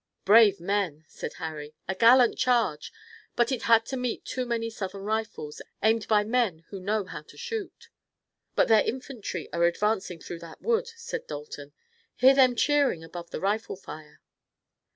"Brave men," said Harry. "A gallant charge, but it had to meet too many Southern rifles, aimed by men who know how to shoot." "But their infantry are advancing through that wood," said Dalton. "Hear them cheering above the rifle fire!"